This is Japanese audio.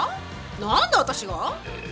何で私が？